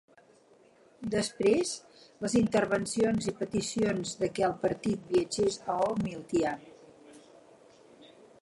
Després, les intervencions i peticions de que el partit viatgés a Old Miltia.